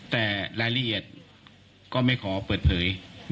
แต่รายละเอียดก็ไม่ขอเปิดเผย